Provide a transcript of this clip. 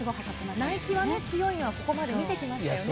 ナイキが強いのは、ここまで見てきましたよね。